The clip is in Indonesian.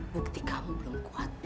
bukti kamu belum kuat